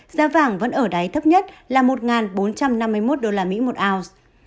giá vàng vẫn ở đáy thấp nhất là một bốn trăm năm mươi một usd một ounce